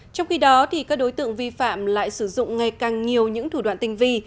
trong khi đó các đối tượng vi phạm lại sử dụng ngày càng nhiều những thủ đoạn tinh vi